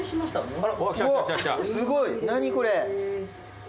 うわすごい何これ。